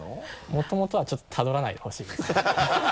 もともとはちょっとたどらないでほしいですね。